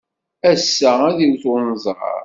Ass-a, ad d-iwet unẓar.